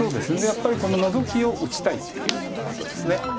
やっぱりこのノゾキを打ちたいっていうことです。